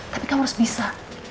tapi kamu harus bisa